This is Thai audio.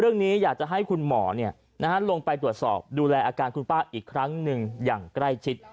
เรื่องนี้อยากจะให้คุณหมอลงไปตรวจสอบดูแลอาการคุณป้าอีกครั้งหนึ่งอย่างใกล้ชิด